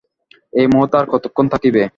এ মুহূর্ত আর কতক্ষণ থাকিবে?